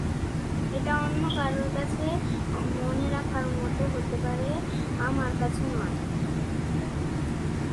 এটা অন্য কারও কাছে মনে রাখার মতো হতে পারে, আমার কাছে নয়।